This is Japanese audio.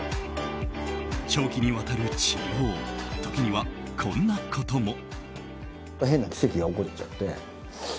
長期にわたる治療時にはこんなことも。